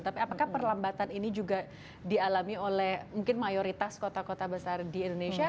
tapi apakah perlambatan ini juga dialami oleh mungkin mayoritas kota kota besar di indonesia